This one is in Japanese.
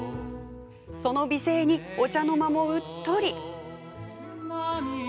その美声にお茶の間もうっとり。